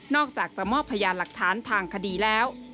อกจากจะมอบพยานหลักฐานทางคดีแล้ว